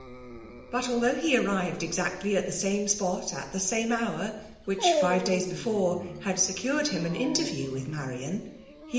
Baf although he arriVed exiictly at die same •pot at "the same hour which, five days before, had secured him an interview with Marian, VOt. HI.